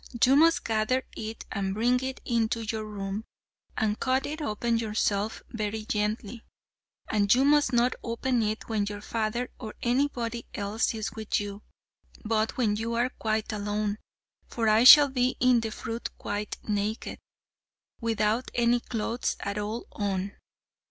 You must gather it and bring it into your room and cut it open yourself very gently, and you must not open it when your father or anybody else is with you, but when you are quite alone; for I shall be in the fruit quite naked, without any clothes at all on."